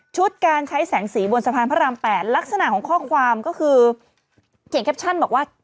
การใช้แสงสีบนสะพานพระราม๘ลักษณะของข้อความก็คือเขียนแคปชั่นบอกว่า